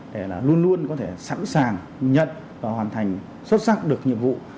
để luôn luôn có thể sẵn sàng nhận và hoàn thành xuất sắc được nhiệm vụ